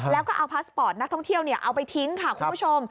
แล้วก็เอาพาสปอร์ตนักท่องเที่ยวเอาไปทิ้งค่ะคุณผู้ชม